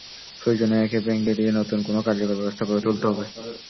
প্রয়োজনে একে ভেঙে দিয়ে নতুন কোনো কার্যকর ব্যবস্থা গড়ে তুলতে হবে।